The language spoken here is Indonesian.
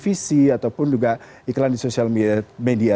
apalagi untuk iklan tvc ataupun juga iklan di sosial media